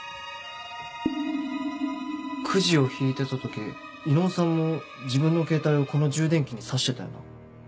くじを引いてた時伊能さんも自分のケータイをこの充電器に挿してたよな？